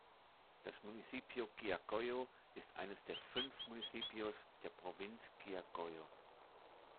Das Municipio Quillacollo ist eines von fünf Municipios der Provinz Quillacollo.